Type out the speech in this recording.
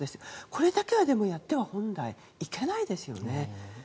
これだけは本来やってはいけないですよね。